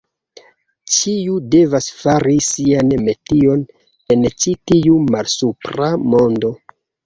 Ĉiu devas fari sian metion en ĉi tiu malsupra mondo.